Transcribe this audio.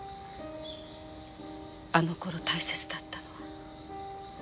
あの頃大切だったのは自分だけ。